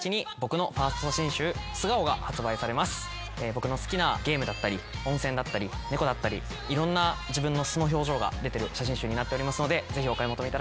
僕の好きなゲームだったり温泉だったり猫だったりいろんな自分の素の表情が出てる写真集になっておりますのでぜひお買い求めいただければと思います。